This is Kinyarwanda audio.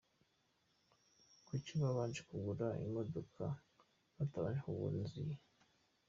Kuki babanje kugura amamodoka batabanje kugura inzu se?